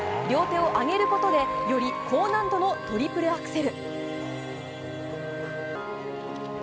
両手を上げることでより高難度のトリプルアクセル。